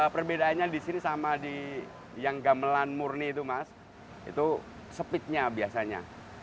perbedaannya di sini sama di yang gamelan murni itu mas itu sepitnya biasanya